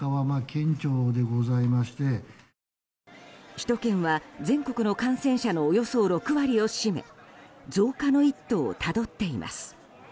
首都圏は全国の感染者のおよそ６割を占め増加の一途をたどっています。